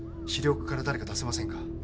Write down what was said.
資料課から誰か出せませんか？